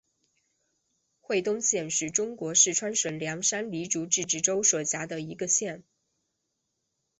会东县是中国四川省凉山彝族自治州所辖的一个县。